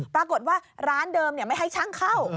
ปรากฏว่าร้านเดิมไม่ให้ช่างเข้า